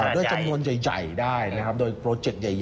แต่ด้วยจำนวนใหญ่ได้นะครับโดยโปรเจกต์ใหญ่